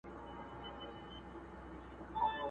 o زوى زړه دئ، ورور لېمه دئ، لمسى د هډ ماغزه دئ!